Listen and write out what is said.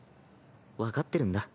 分かってるんだ。